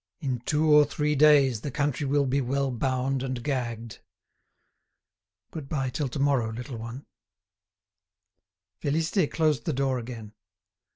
"In two or three days the country will be well bound and gagged. Good bye till to morrow, little one." Félicité closed the door again.